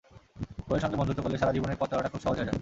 বইয়ের সঙ্গে বন্ধুত্ব করলে সারা জীবনের পথচলাটা খুব সহজ হয়ে যায়।